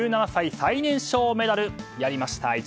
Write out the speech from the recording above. １７歳最年少メダル。やりました。